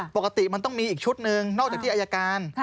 ปกติมันต้องมีอีกชุดหนึ่งนอกจากที่อายการ